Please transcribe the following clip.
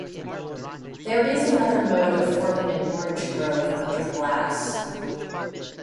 There is another mode of forming an orange grove under glass.